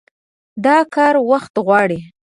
دا کار وخت غواړي.